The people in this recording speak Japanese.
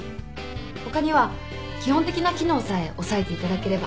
他には基本的な機能さえ押さえていただければ。